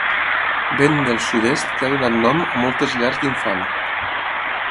Vent del sud-est que ha donat nom a moltes llars d'infant.